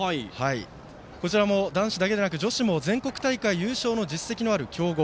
こちらも男子だけじゃなくて女子も全国大会優勝の実績のある強豪。